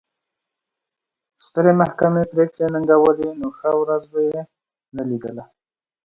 سترې محکمې پرېکړې ننګولې نو ښه ورځ به یې نه لیدله.